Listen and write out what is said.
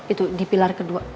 itu di pilar kedua